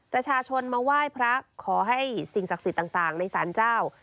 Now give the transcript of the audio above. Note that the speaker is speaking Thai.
ประชาชนมาไหว้พระขอให้สิ่งศักดิ์สิทธิ์ต่างในศาลเจ้า